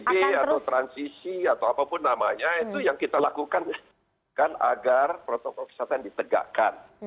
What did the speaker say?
nah begini ya pb atau transisi atau apapun namanya itu yang kita lakukan kan agar protokol kesehatan ditegakkan